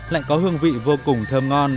lại có hương vị vô cùng thơm ngon